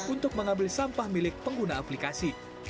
untuk mengambil sampah milik pengguna aplikasi